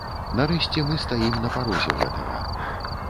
Нарэшце мы стаім на парозе гэтага.